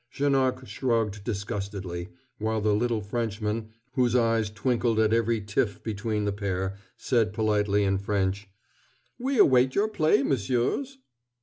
Janoc shrugged disgustedly, while the little Frenchman, whose eyes twinkled at every tiff between the pair, said politely in French: "We await your play, m'sieurs."